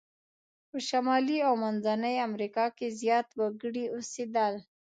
په شمالي او منځني امریکا کې زیات وګړي اوسیدل.